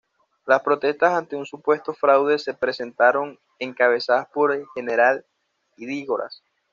Las protestas ante un supuesto fraude se presentaron, encabezadas por el general Ydígoras.